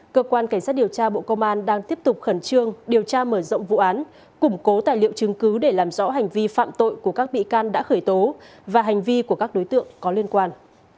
cơ quan cảnh sát điều tra bộ công an đang tiếp tục khẩn trương điều tra mở rộng vụ án củng cố tài liệu chứng cứ để làm rõ hành vi phạm tội của các bị can đã khởi tố và hành vi của các đối tượng có liên quan